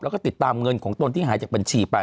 แล้วก็ติดตามเงินของตนที่หายจากบัญชีไป